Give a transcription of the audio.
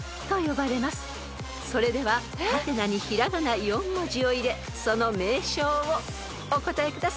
［それでは「？」に平仮名４文字を入れその名称をお答えください］